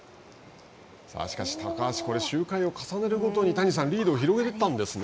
しかし、高橋、周回を重ねるごとに、リードを広げたんですね。